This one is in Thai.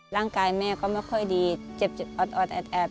ร่างกายแม่ก็ไม่ค่อยดีเจ็บออดแอด